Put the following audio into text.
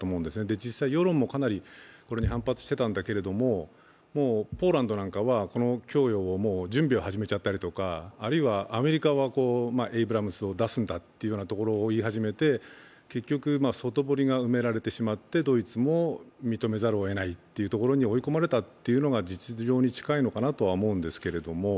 実際、世論もかなりこれに反発していたんだけれどもうポーランドなんかはこの供与の準備を始めちゃったりとかあるいはアメリカはエイブラムスを出すんだと言い始めて外堀が埋められてしまってドイツも認めざるをえないというところに追い込まれたというのが実情に近いのかなとは思うんですけど。